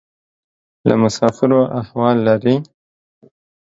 له مسافرو احوال لرې؟